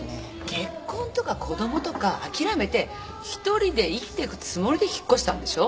結婚とか子供とか諦めて一人で生きてくつもりで引っ越したんでしょ？